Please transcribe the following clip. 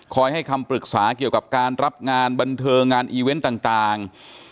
ให้คำปรึกษาเกี่ยวกับการรับงานบันเทิงงานอีเวนต์ต่าง